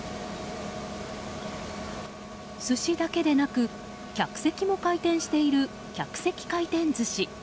寿司だけでなく客席も回転している客席回転寿司。